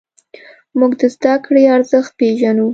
موږ د زدهکړې ارزښت پېژنو.